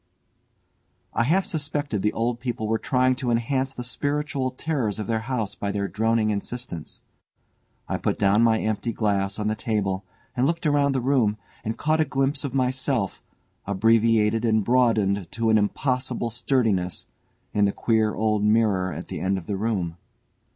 I half suspected the old people were trying to enhance the spiritual terrors of their house by their droning insistence. I put down my empty glass on the table and looked about the room, and caught a glimpse of myself, abbreviated and broadened to an impossible sturdiness, in the queer old mirror at the end of the room.